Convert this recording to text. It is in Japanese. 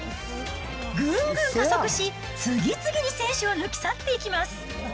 ぐんぐん加速し、次々に選手を抜き去っていきます。